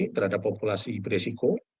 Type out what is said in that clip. terhadap populasi beresiko